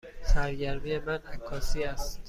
سرگرمی من عکاسی است.